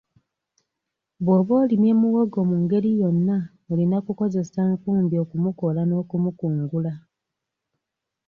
Bw'oba olimye muwogo mu ngeri yonna olina kukozesa nkumbi okukoola n'okumukungula.